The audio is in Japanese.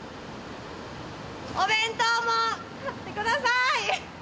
お弁当も買ってください。